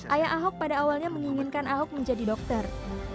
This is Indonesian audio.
ayah ahok pada awalnya menginginkan ahok mencari kemampuan untuk mencari kemampuan